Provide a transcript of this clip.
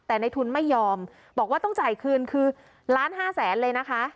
แต่ในทุนไม่ยอมบอกว่าต้องจ่ายคืนคือล้านห้าแสนเลยนะคะ